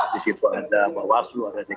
di situ ada bawasan luar negara dkpp